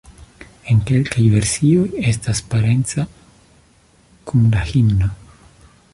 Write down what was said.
En kelkaj versioj estas parenca kun la himno.